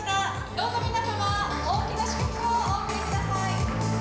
どうぞ皆様大きな祝福をお送りください。